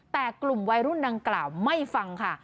แต่กลุ่มวัยรุ่นดังกล่าวไม่ฟังค่ะ